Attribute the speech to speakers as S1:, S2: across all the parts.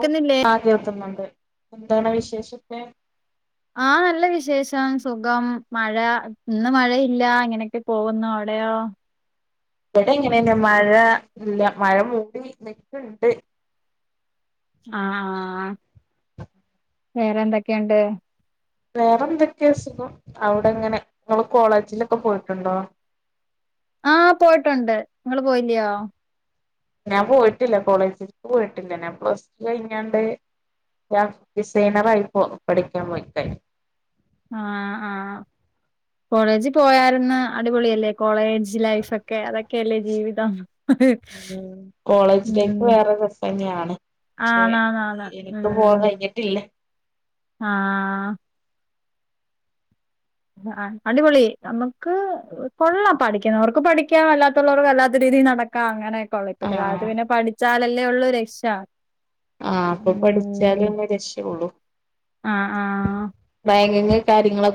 S1: ക്കുന്നില്ലേ
S2: ആ കേൾക്കുന്നുണ്ട് എന്താണ് വിശേഷക്കെ
S1: ആഹ് നല്ല വിശേഷം, സുഖം മഴ ഇന്ന് മഴയില്ല ഇങ്ങനെയൊക്കെ പോകുന്നു, അവിടെയോ
S2: ഇവിടെ ഇങ്ങനെന്നെ, മഴ ഇല്ല മഴ മൂടി നിക്ക്ണ്ട്
S1: ആ ആ വേറെ എന്തൊക്കെണ്ട്
S2: വേറെ എന്തൊക്കെ സുഖം, അവിടെ എങ്ങനെ ങ്ങള് കോളേജിലൊക്കെ പോയിട്ടുണ്ടോ
S1: ആഹ് പോയിട്ടുണ്ട് നിങ്ങള് പോയില്ലയോ
S2: ഞാൻ പോയിട്ടില്ല കോളേജിൽ ക്ക് പോയിട്ടില്ല, ഞാൻ പ്ലസ് ടു കഴിഞ്ഞാണ്ട് ഡിസൈനറ ആയി പോ പഠിക്കാൻ പോയ ക്കേനി
S1: ആഹ് ആ കോളേജ് പോയാ ര്ന്നു, അടിപൊളിയല്ലേ കോളേജ് ലൈഫ് ഒക്കെ അതൊക്കെ ക്കല്ലേ ജീവിതം
S2: ഉം കോളേജ് ലൈഫ്
S1: ഉം
S2: വേറെ രസം തന്നെയാണ് പക്ഷെ
S1: ആണാണാണ്
S2: എനിക്ക് പോവാൻ കഴിഞ്ഞിട്ടില്ല
S1: ആഹ് ആ അടിപൊളി നമുക്ക് കൊള്ളാം പഠിക്കുന്നവർക്ക് പഠിക്കാം, അല്ലാത്തുള്ളവർക്ക് അല്ലാത്ത രീതിൽ നടക്കാം, അങ്ങനെ [unintelligible] ഇപ്പോളത്തെ
S2: ആഹ്
S1: കാലത്ത് പിന്നെ പഠിച്ചാല ല്ലേ ഒള്ളൂ രക്ഷ.
S2: ആഹ് ഇപ്പം പഠിച്ചാലെ
S1: ഉം
S2: ഒള്ളൂ അ രക്ഷയൊള്ളു
S1: ആഹ്
S2: റാഗിംങ് കാര്യങ്ങളൊ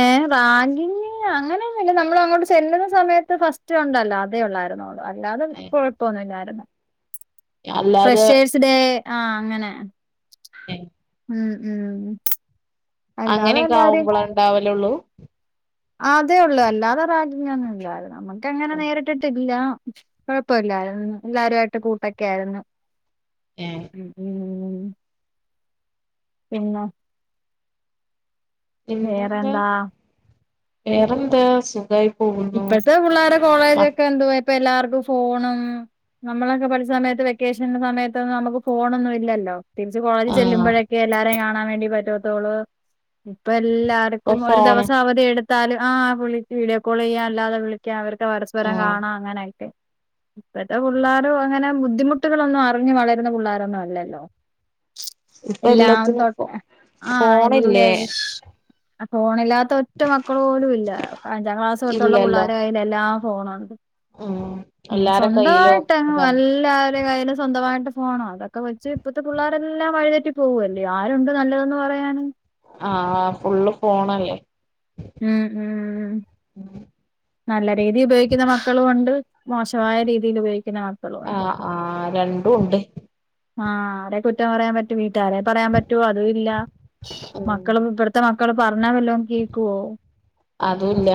S1: ഏ വാ [unintelligible] ഇമ്മേ അങ്ങനെയൊന്നുല്ല നമ്മള അങ്ങോട്ട് ചെല്ലുന്ന സമയത്ത് ഫസ്റ്റ് ഉണ്ടല്ലോ അതേ ഉള്ളായിരുന്നുള്ളൂ അല്ലാതെ കൊഴപ്പൊന്നുല്ലായിരുന്നു
S2: അല്ലാതെ
S1: ഫ്രഷേഴ്‌സ് ഡേ ആഹ് അങ്ങനെ
S2: ഏ
S1: ഉം ഉം അല്ലാതെ
S2: അങ്ങനെയൊക്കെ ആകുമ്പൊളേ ണ്ടാവലള്ളൂ
S1: അതെ ഒള്ളൂ അല്ലാതെ റാഗിങ് ഒന്നും ഇല്ലാര നമ്മക്ക ക്കഅങ്ങനെ നേരിട്ടിട്ടില്ല കൊഴ് പ്പല്ലായിര് ന്നു എല്ലാരും ആയിട്ട് കൂട്ടൊക്കെ ആയിര് ന്നു
S2: ഏ
S1: ഉം പിന്നെ
S2: പിന്നെന്താ
S1: വേറെന്താ
S2: വേറെന്താ സുഖഴി
S1: ഇപ്പഴ് ത്തെ പിള്ളേരെ കോളേജ ക്കെ എന്തുവ ഇപ്പ എല്ലാർക്കും ഫോണും നമ്മളൊക്കെ പഠിച്ച സമയത്ത് വെക്കേഷൻ സമയത്തന്നും നമുക്ക് ഫോണൊന്നും ഇല്ലല്ലോ തിരിച്ച്
S2: ആഹ്
S1: കോളേജ്ചെല്ലുമ്പഴക്കെ എല്ലാരേം കാണ നാൻ വേണ്ടി പറ്റതൊള്ളൂ ഇപ്പൊ എല്ല
S2: ഇപ്പൊ
S1: എല്ലാർക്കും ഒരു
S2: ഫോണ്
S1: ദിവസം അവധി എടു ട്ടാലും ആ പൊളിച്ച് വീഡിയോ കോളിയാ അല്ലാതെ വിളിക്കാ അവർ പരസ്പരം
S2: ആഹ്
S1: കാണാം അങ്ങനെക്കെ ഇ പ്പത്തെ പിള്ളേരും അങ്ങനെ ബുദ്ധിമുട്ടുകളൊന്നും അറിഞ് വളരുന്ന പിള്ളോരൊന്നും അല്ലല്ലോ
S2: ഇപ്പ
S1: എല്ലാം
S2: എല്ലത്തിനും ഫോ
S1: തൊട്ട്
S2: ഫോണില്ലേ
S1: ആ ഫോണില്ലാ ത്ത ഒറ്റ മക്കൾ പോലും ഇല്ല അഞ്ചാം ക്ലാസ് തോട്ടുള്ള
S2: ഇല്ലല്ലോ
S1: പിള്ളാരെ കയ്യിലെല്ലാം ആ ഫോൺ ഒ
S2: ഉം
S1: ണ്ട്
S2: എല്ലാരെ കയ്യിലും
S1: സ്വന്തമായിട്ടങ്ങ് വ
S2: അതാണ്
S1: ല്ലാവരെ കയ്യിലും സ്വന്തമായിട്ട് ഫോണോ അതൊക്കെ വെച്ച് ഇപ്പത്തെ പിള്ളേരെല്ലാം വഴിതെറ്റി പോകല്ലേ ആരുണ്ട് നല്ലതന്ന് പറയാന്
S2: ആഹ് ഫുള്ള് ഫോണല്ലേ
S1: [unintelligible]
S2: [inaudible]
S1: നല്ല രീതി ഉപയോഗിക്കുന്ന മക്കളും ഉ ണ്ട് മോശമായ രീതിയിൽ ഉപയോഗിക്കു
S2: ആ ആഹ രണ്ടും ഉണ്ട്
S1: ആഹ് ആരേം കുറ്റം പറയാൻ പറ്റും വി വീട്ടുകാരെ പറയാൻ പറ്റോ അതൂല്ലാ
S2: ഉം
S1: മക്കളും [unintelligible] [unintelligible] പർ ഞ്ഞാ വല്ലോം കേക്കോ?
S2: അതുല്ല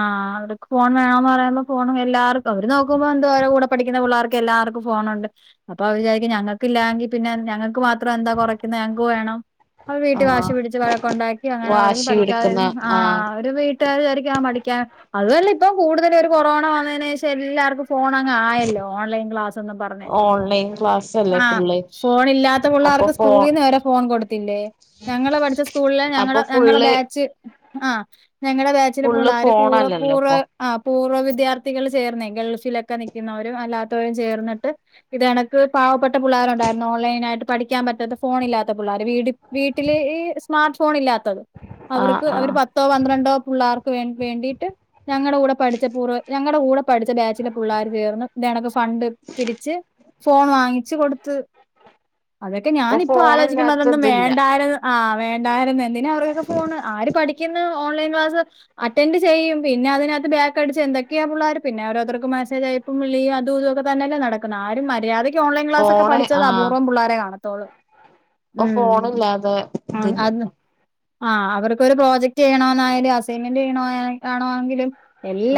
S1: ആഹ് അവർക്ക് ഫോൺ വേണോന്നു പറയുമ്പോ ഫോൺ എല്ലാർക്കും അവര് നോക്കുമ്പോ എന്തോഅവര് ടെ കൂടെ പഠിക്കുന്ന പിള്ളേർക്ക് എല്ലാർക്കും ഫോണുണ്ട് അപ്പൊ വിചാരിക്കും ഞങ്ങക്ക്‌ ഇല്ലാ ങ്കിപിന്നെ ഞങ്ങക്ക് മാത്ര ത്ര ന്താ കുറക്കുന്നെ ഞങ്ങക്ക് വേണം അവ വീട്ടി
S2: ആഹ്
S1: വാശി പിടിച്ച് വ ഴക്കു ണ്ടാക്കി അങ്ങനെ
S2: വാശി പിടിക്കുന്ന
S1: പഠിക്കാതെര്ന്നു ആ
S2: ആഹ്
S1: [unintelligible] [unintelligible] അതുവല്ലപ്പോ കൂടുതലും ഒരു കൊറോണ വന്നേനേഷം എല്ലാർക്കും ഫോന ങ്ങ് ആയല്ലോ ഓൺലൈൻ ക്ലാസെന്നും പറഞ്ഞ്
S2: ഓൺലൈൻ ക്ലാസ്സല്ലേ
S1: ആ
S2: ഫുള്ള്
S1: ഫോൺ ഇല്ലാത്ത
S2: അപ്പൊ
S1: പിള്ളേർക്ക്
S2: ഫോ
S1: സ്കൂള്ളീ ന്ന് വരെ ഫോൺ കൊടുത്തില്ലേ ഞങ്ങള് പഠിച്ച സ്കൂളില്
S2: അപ്പൊ
S1: ഞങ്ങളെ ഞങ്ങളെ
S2: ഫുള്ള്
S1: ബാച്ച് ആഹ ഞങ്ങളുടെ വേച്ചിലെ
S2: ഫുള്ള്
S1: പിള്ളേർ കൂടെ
S2: ഫോണല്ലല്ലോ
S1: കൂടെ
S2: ഇപ്പൊ
S1: പൂർവ്വ വിദ്യാർത്ഥികൾ ചേർന്നേ ഗൾഫിലൊക്കെ നൽക്കുന്നവരും അല്ലാത്തവരും ചേർന്നിട്ട് ഇത്നക്ക് പാവപ്പെട്ട പിള്ളേരുണ്ടായിരുന്നു ഓൺലൈൻ ആയിട്ട് പഠിക്കാൻ പറ്റാത്ത ഫോണ ഇില്ലാത്ത പിള്ളേർ വീട് വീട്ടില് ഈ സ്മാർട്ട് ഫോൺ ഇല്ലാത്തത്
S2: ആഹ്
S1: അവർക്ക് അവര്
S2: ആഹ്
S1: പത്തോ പന്ത്രണ്ടോ പിള്ളേർ വേണ്ടി ട്ട ഞങ്ങളുടെ കൂടെ പഠിച്ച പൂർ ഞങ്ങള കൂടെ പഠിച്ച ബാച്ചിലെ പിള്ളോര് ചേർന്ന് ഇണക്ക് ഫണ്ട് പിരിച്ച് ഫോൺ വാങ്ങിച്ചു കൊടുത്ത് അതൊക്കെ ഞാന
S2: ഇപ്പൊ
S1: ഇപ്പോ ആലോചിക്കുമ്പോ
S2: ഫോണില്ലാത്ത
S1: അത്
S2: ഇതില്ല
S1: വേണ്ടായി ആ വേണ്ടായിരുന്നു എന്തിന അവർക്കൊക്കെ ഫോണ് ആര് പഠിക്കുന്ന ഓൺലൈൻ ക്ലാസ് ആറ്റ ചെയും പിന്നെ അതിനകത്ത് ബാക്കക്ക് അടച്ച് എന്തൊക്കെയാള്ളർ പിന്നെ ഓരോരുർക്ക് മെസേജ് ആയപ്പ അതുംഇതും ക്കെ തന്നെയല്ലേ നടക്കുന്ന ആരും മര്യാദ ഓലൈൻ ക്ലാസ്സ് ഒകെ പഠിച്ച അപൂർവ്വം പിള്ളേരെ തോള്
S2: അ ഫോണില്ലാതെ ഇതില്ലല്ലോ
S1: ആ അവർക്കൊ ഒരു പ്രോജക്ട് ചെയ്യണോയാലും അസൈൻമെന്റ് ചെയ്യണ ആണോങ്കില്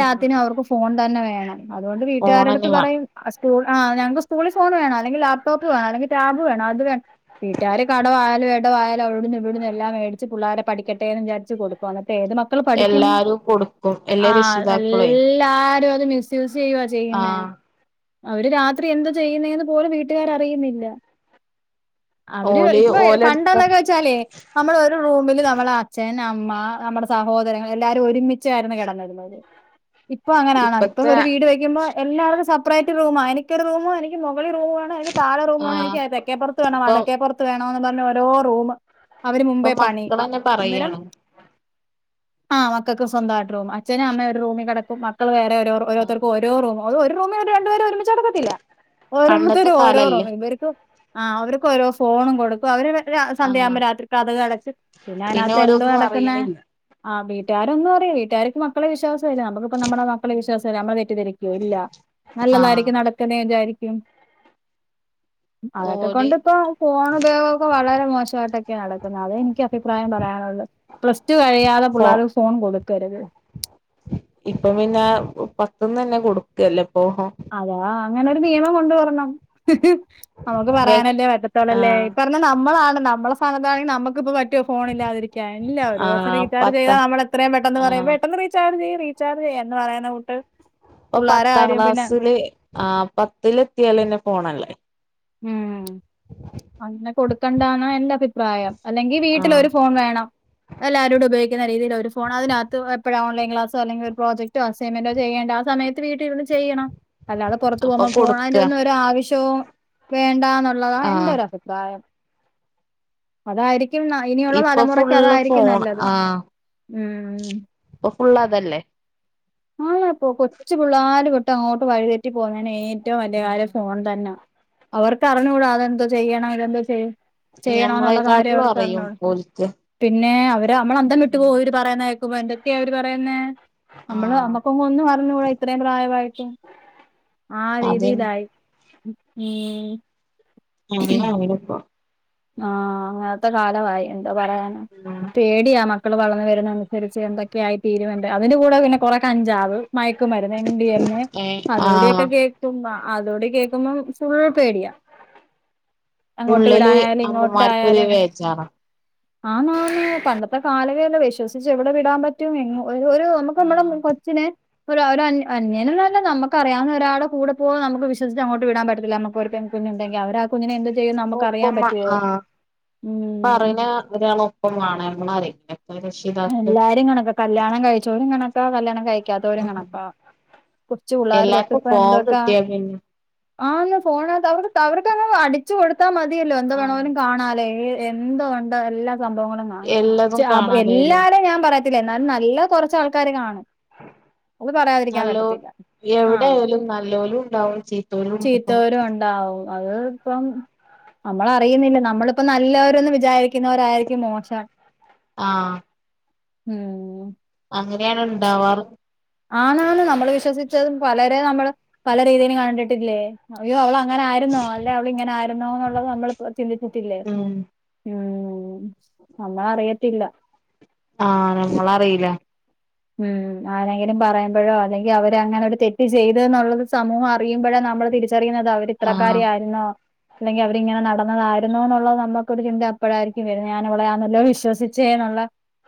S2: ആഹ്
S1: അവർക്ക് ഫോൺ തന്നെ വേണം അതുകൊണ്ട് വീട്ടുകാരടുത്ത്
S2: ഫോണന്നെ വേണം
S1: പറയും സ്കൂ ആ ഞങ്ങക്ക് സ്കൂള ഫോൺണം അല്ലങ്കി ലാപ്ടോപ്പ് വേണം അല്ലെങ്കിൽ ടാബ് വേണം അത് വേണം വീട്ടാർ കടവായാലും ഇടവ ആയാല അവിടെന്ന് ഇവിടുന്ന് എല്ലാം മേടിച്ച് പിള്ളോര പഠിക്കട്ടേന്ന് വിചാരിച്ച് കൊടുക്കു ഏത് മക്കൾ പഠിക്ന്ന്
S2: എല്ലാരും കൊടുക്കും എല്ലാ
S1: ആ
S2: രക്ഷിതാക്കളെ
S1: എല്ലാരും [unintelligible] ചെയ്യുവ ചെയ്യുന്നേ
S2: ആഹ്
S1: അവര് രാത്രി എന്താ ചെയ്യുന്നേന്ന് പോലും വീട്ടുകാര്അറിയുന്നില്ല അവര്
S2: ഓല്
S1: ഇപ്പൊ
S2: ഓലെടുത്ത
S1: പണ്ടെന്നൊക്കെ വെച്ചാലേ നമ്മൾഒരു റൂമില് നമ്മളെ അച്ഛൻ ആ അമ്മ നമ്മുടെ സഹോദരങ്ങൾഎല്ലര ഒരുമിച്ച് ആയിരുന്നു കെടന്നരുന്നുത് ഇപ്പൊ അങ്ങനാണോഇപ്പൊ
S2: ഇപ്പത്തെ
S1: ഒരു വീട് വെക്കുമ്പോ എല്ലാടും സെപ്പറേറ്റ് റൂ മാണ് എനിക്കൊരുറൂമ് എനി എനിക്ക് മുകളിൽ റൂമ് വേണംഎനിക്ക് താഴെറൂമ് വേണം
S2: ആഹ്
S1: എനിക്ക് തെക്കേപ്പുറത്ത് വേണം
S2: ഇപ്പൊ
S1: വടക്കേപ്പുറത്ത് വേണം ന്ന് പറഞ്ഞ് ഓരോ റൂമ് അവര്
S2: ഇപ്പൊ
S1: മുമ്പേ പണിക്കും
S2: മക്കളന്നെ
S1: അന്നേരം
S2: പറയാണ്
S1: ആ മക്ക് മക്കക്ക് സ്വന്തമായിട്ട് റൂമ് അച്ഛനൂം അമ്മയൂംഒരു റൂമിൽ കിടക്കും മക്കള് വേറെ
S2: ആഹ്
S1: ഓരോതർക്കൂം ഓരോറൂമ് ഒരു റൂമിൽ രണ്ട് പേര് ഒരുമിച്ച് നടക്കത്തില്ല
S2: പണ്ടത്തെ
S1: ഓരോത്തരും ഓരോ
S2: കാലല്ലേ
S1: റൂമല്ഇവർക്ക് ആ അവർക്ക് ഓരോ ദി ഫോണും കൊടുക്കും അവര്
S2: ആഹ്
S1: സന്ധ്യയാവുമ്പോൾ രാത്രികതകടച്ച്പിന്നെ
S2: പിന്നെ
S1: അതിനകത്ത് എന്തുവാ
S2: ഓലൊന്നും
S1: നടക്കുന്നേ
S2: അറിയണില്ല
S1: ആ ബീ കാലംമാറി വീട്ടുക്കാർക്ക് മക്കളെ വിശ്വാംസ നമുക്കിപ്പംനമ്മുടെ മക്കളെ വിശ്വാസം നമ്മെ തെറ്റിദ്ധരിപ്പിക്കൂമോ ഇല്ല
S2: ആഹ്
S1: നല്ലതായിരിക്കും നടക്കുന്നേ വിചാരിക്കും ഉം അതൊക്ക
S2: ഓല്
S1: കൊണ്ടിപ്പോ ഫോൺ ഉപയോഗമൊക്കെ വളരെ മോശമായിട്ടൊക്കെയ നടക്കുന്നത് അതേ എനിക്ക് അഭിപ്രായം പറയാനുള്ളൂ പ്ലസ് ടു കഴിയാതെ പിള്ളേർ
S2: ഇപ്പൊപിന്നെ പത്തു ഇപ്പംതന്നെ കൊടുക്കല്ലേ ഇപ്പൊ
S1: അതാ അങ്ങനെ ഒരു നിയമം കൊണ്ട് വരണം നമുക്ക്
S2: വ്യക്
S1: പറയാനല്ലേ പറ്റത്തോളല്ലേ ഈ
S2: ആഹ്
S1: പറഞ്ഞ നമ്മളാണ് നമ്മുടെ സ്ഥനത്ത്ആണെ നമുക്ക് ഇപ്പം വെയ് ഫോണില്ലാതിരിക്കാൻ ഇല്ല ഒരു
S2: ആഹ്
S1: ദിവസംറീചാർജ്
S2: പത്ത
S1: ചെയ്ത നമ്മള്എത്രയും പെട്ടെന്ന് പറയും
S2: ആഹ്
S1: പെട്ടെന്ന് റീചാർജ് ചെയ്യ് റീചാർജ് ചെയ്യാംഎന്ന് പറയാന്ന കൂട്ട്
S2: ഓ
S1: പുള്ളാരെ
S2: പത്താം
S1: കാര്യം പിന്നെ
S2: ക്ലാസ്ലില് ആ പത്തില് എത്തിയാല് പിന്നെ ഫോണല്ലേ
S1: ഉം അങ്ങനെ കൊടുക്കണ്ടാന്നഎന്റെ അഭി പ്രായം അല്ലെങ്കിൽ
S2: ആഹ്
S1: വീട്ടിലൊരുഫോൺ വേണം എല്ലാരൂടെ ഉപയോഗിക്കുന്ന രീതിയിലൊരുഫോൺഅതിനകത്ത് എപ്പഴാ ഓൺലൈൻ ക്ലാസോ അല്ലങ്കിൽ ഒരു പ്രോജക്ടോ, അസൈൻമെന്റ്, ചെയ്യണ്ട ആ സയത്ത് വീട്ടിലിരുന്ന് ചെയ്യണം അല്ലാതെ
S2: അപ്പൊ കൊടുക്ക
S1: വേണ്ട എന്നുള്ളതാ എന്റെ
S2: ആഹ്
S1: ഒര പ്രായം അതായിരിക്കും ന ഇനിയുള്ള
S2: ഇപ്പൊ
S1: തലമുറക്ക്
S2: ഫുള്ള്
S1: അതായിരിക്കും
S2: ഫോൺ
S1: നല്ലത്
S2: ആ
S1: ഉം
S2: ഇപ്പൊ ഫുള്ള്അതല്ലേ
S1: ആ ഇപ്പോകൊച്ചു പിള്ളാര് അങ്ങോട്ട് വഴിതെറ്റി പോന്നേന്ന് ഏ ഏറ്റവും വെല്ലിയകാര്യം ഫോൺ തന്നെ അവർക്ക് അറിഞ്ഞൂടാ അതെന്ത് ചെയ്യണം ഇത് എന്തോ ചെയ്യും ചെയ്യണോന്നുള്ള കാര്യം
S2: ഞമ്മളെക്കാട്ടിലും
S1: അവർക്ക്
S2: അറിയും
S1: അറിഞ്ഞുട
S2: ഓൽക്ക്
S1: പിന്നെ നമ്മള്അന്തം വിട്ട് പോകും ഇവര് പറയുന്ന ക്കുമ്പം എന്തെക്കയാഅവര് പറയുന്നേ നമ്മള്
S2: ആഹ്
S1: നമ്മക്കൊങ്ങു ഒന്നും അറിഞ്ഞു കൂടാ ഇത്രയും പ്രായമായിട്ടും ആ
S2: അത്
S1: രീതിയിലായി ഉം
S2: [unintelligible]
S1: ആ അങ്ങനത്തെക്കാലവായി എന്താപറയാന പേടിയാ മക്ക മക്കള് വളർന്ന് വരുന്ന അനുസരിച്ച് എന്തൊക്കെയായിത്തീരും എന്ത് അതിന്റെ കൂടെ പിന്നെ കുറെ കഞ്ചാവ് മയക്കുമരുന്ന്, എം ഡി എം എ,
S2: ഏഹ് ആഹ്
S1: അതൂടിയെക്കെകേൾക്കുമ്പം അതൂടെ കേൾക്കുമ്പം ഫുൾപേടിയാ അങ്ങോട്ട് വിടാനായലെ
S2: അമ്മമാർക്ക്ക്കൊരു ബേജാറാ
S1: ആന്നാന്ന്പണ്ടത്തെ കാലമേ അല്ല വിശ്വസിച്ച്എവിടെ വിടാൻ പറ്റും ഒരു ഒരു നമുക്ക് നമ്മടെ
S2: ആഹ്
S1: കൊച്ചിനെ ഒരു ഒര അന്യ അന്യനെന്നുമല്ലനമുക്ക് അറിയാവുന്ന ഒരാളുടെകൂടെ പോകാൻ നമുക്ക് വിശ്വ ച്ച് അങ്ങോട്ട് വിടാൻപറ്റില്ല നമക്ക് ഒരു പെൺകുഞ്ഞുണ്ടങ്കിൽഅവരാ ആ കുഞ്ഞിനെ എന്തും ചെയ്യും നമുക്ക് അറിയാൻ പറ്റുവോ
S2: ആ
S1: ഉം
S2: പറന ഇള ഒപ്പം കാണമ്മ അരങ്ങ
S1: എല്ലാരും കണക്കാ കല്യാണം കഴിച്ചവരും കണക്കാ കല്യാണം കഴിക്കാത്തവരും കണക്കാ കൊച്ചു പിള്ളേർ തൊട്ട്
S2: എല്ലാർക്കും
S1: ഇപ്പൊ
S2: ഫോൺ
S1: എന്തൊക്കാ
S2: കിട്ടിയാ പിന്നെ
S1: ആന്ന് ഫോണാ അവർക്ക് അവർക്ക്ന്ന് അടിച്ചു കൊടുത്താ മതി തിയല്ല എന്തു വേണോലും കാണാലോ എന്തോ ഒണ്ട് എല്ലാം, സംഭവങ്ങളും കാണാം
S2: എല്ലതും
S1: ടാബ്
S2: കാണാനായില്ലേ
S1: എല്ലാരും ഞാൻ പറയത്തില്ല എന്നാലും നല്ല കെറച്ച് ആൾക്കാര് കാണും. അത് പറയാതിരിക്കാൻ
S2: നല്ലോ
S1: പറ്റത്തില്ല. ആ
S2: എവിടെയായാലും നല്ലോലും ഉണ്ടാവും ചീത്തോലും ഉണ്ടാവും
S1: ചീത്തവരും ഒണ്ടാവും. അത് ഇപ്പം നമ്മള അറിയുന്നില്ല നമ്മളിപ്പ നല്ലവരന്ന് വിചാരിക്കുന്നവരായിരിക്കും മോശം.
S2: ആ
S1: ഉം
S2: അങ്ങനെയാണ് ഉണ്ടാവാറ്.
S1: ആന്നാന്ന് നമ്മള് വിശ്വസിച്ചതും പലരെ നമ്മൾ പല രീതിയിലും കണ്ടണ്ടിട്ടില്ലേ അയ്യോ അവള അങ്ങന ആരുന്നോ അല്ല അവള ഇങ്ങനെ ആരുന്നോന്നുള്ളത് നമ്മൾ ചിന്തിച്ചിട്ടില്ലേ
S2: ഉം
S1: ഉ ഉം നമ്മളറിയത്തില്ലാ
S2: ആഹ് നമ്മളറിയില്ല
S1: ഉം ആരെങ്കിലും പറയുമ്പഴൊ അല്ലെങ്കി അവര് അങ്ങനെ ഒരു തെറ്റ് ചെയ്ത് എന്നുള്ളത് സമൂഹം അറിയുമ്പഴെ നമ്മള് തിരി ച്ചറിയുന്നത് അവര് ഇത്രക്കാരി
S2: ആഹ്
S1: ആയിരുന്നോ അല്ലെങ്കി അവരിങ്ങനെ നടന്നതായിരുന്നു എന്നുള്ളത് നമ്മക്കൊരു ചിന്ത അപ്പഴായിരിക്കും വരുന്നെ ഞാൻ അവളെ ആണല്ലൊ വിശ്വസിച്ചേ എന്നുള്ള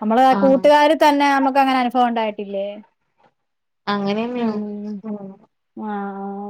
S1: നമ്മളെ
S2: ആഹ്
S1: കൂട്ടുകാർ തന്നെ അമ്മ ഇപ്പങ്ങനായിണ് ഒണ്ടായിട്ടില്ലേ?
S2: അങ്ങനെന്നേണോ? ഉം
S1: ആഹ്